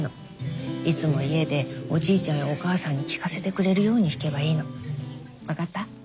いつも家でおじいちゃんやお母さんに聴かせてくれるように弾けばいいの。分かった？